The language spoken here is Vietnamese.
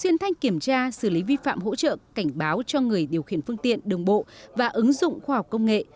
xuyên thanh kiểm tra xử lý vi phạm hỗ trợ cảnh báo cho người điều khiển phương tiện đường bộ và ứng dụng khoa học công nghệ